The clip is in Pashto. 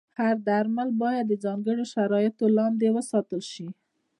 هر درمل باید د ځانګړو شرایطو لاندې وساتل شي.